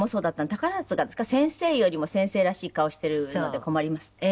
宝塚先生よりも先生らしい顔をしてるので困りますって？